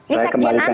saya kembalikan lagi